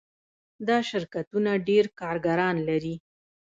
دا شرکتونه ډیر کارګران لري.